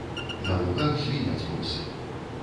На лугах звіняць косы.